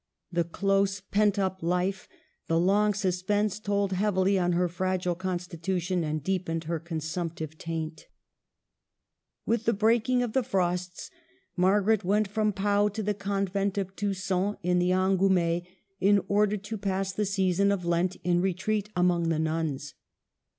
The close, pent up life, the long suspense, told heavily on her fragile constitution, and deepened her consumptive taint. 292 MARGARET OF ANGOUL^ME. With the breaking of the frosts Margaret went from Pau to the convent of Tusson, in the Angoumais, in order to pass the season of Lent in retreat among the nuns.